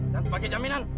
dan sebagai jaminan